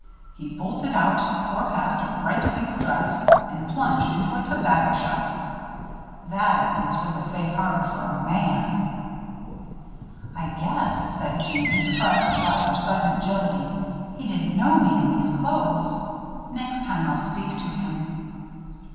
He bolted out, tore past a bright pink dress, and plunged into a tobacco shop. That at least was a safe harbor for a man. "I guess," said Jeanne, surprised at Roger's sudden agility, "he didn't know me in these clothes. Next time I'll speak to him."